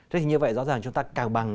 thế thì như vậy rõ ràng chúng ta cao bằng